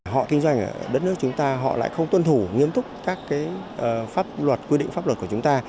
họ kinh doanh ở đất nước chúng ta họ lại không tuân thủ nghiêm túc các quy định pháp luật của chúng ta